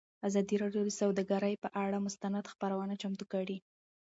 ازادي راډیو د سوداګري پر اړه مستند خپرونه چمتو کړې.